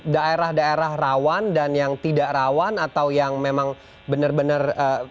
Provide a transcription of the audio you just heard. daerah daerah rawan dan yang tidak rawan atau yang memang benar benar